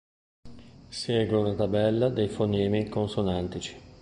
Segue una tabella dei fonemi consonantici.